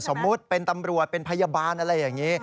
สมมุติเป็นตำรวจเป็นพยาบาลอะไรอย่างนี้